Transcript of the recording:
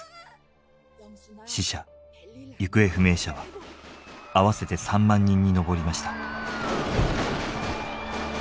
死者行方不明者は合わせて３万人に上りました。